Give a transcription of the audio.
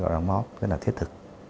đóng góp rất là thiết thực